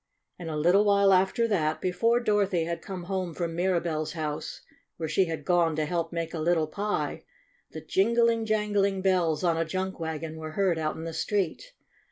And a little while after that, before Dor othy had come home from Mirabell's house where she had gone to help make a little pie, the jingling jangling bells on a junk wagon were heard out in the street.